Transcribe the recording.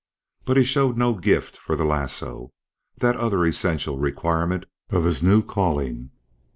But he showed no gift for the lasso, that other essential requirement of his new calling.